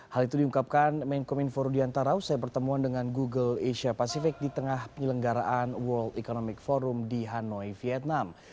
hal itu diungkapkan main komen for rudianta raus saya pertemuan dengan google asia pacific di tengah penyelenggaraan world economic forum di hanoi vietnam